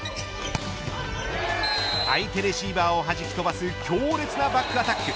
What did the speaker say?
相手レシーバーをはじき飛ばす強烈なバックアタック。